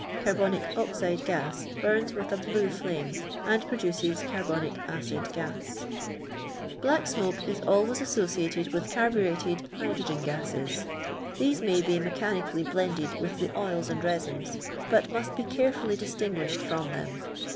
Carbonic oxide gas burns with a blue flame, and produces citrbonic acid g:is. Black smoke is always ass>»ci.ited with ca^ burctted iiydrogen giues. These may be mechani cally blended with the oils and retdns, but must bj carefnily distini;ui>hed from them.